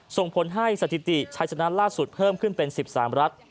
ส่งผลให้สถิติใช้สนามล่าสุดเพิ่มขึ้นเป็นสิบสามรัฐ